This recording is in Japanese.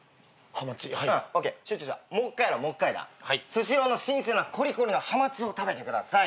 スシローの新鮮なこりこりのハマチを食べてください。